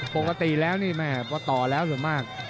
ปกติแล้วนี่แม่พอต่อแล้วส่วนมาก